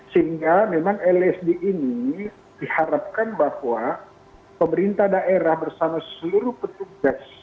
sehingga memang lsd ini diharapkan bahwa pemerintah daerah bersama seluruh petugas